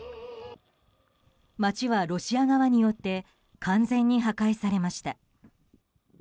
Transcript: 街はロシア側によって完全に破壊されました。